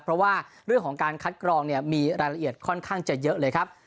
เพราะว่ารายละเอียดของการคัดกรองมีละเอียดค่อนข้างจะเยอะเลยครับ